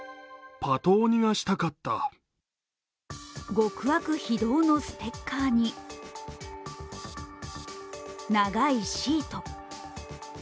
「極悪非道」のステッカーに長いシート。